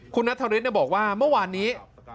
คุณนัทธริสบอกว่าเมื่อวานนี้